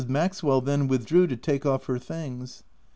Maxwell then withdrew to take off her things.